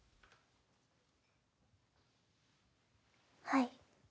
はい。